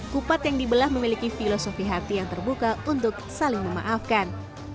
kupat yang dibelah memiliki filosofi hati yang terbuka untuk saling memaafkan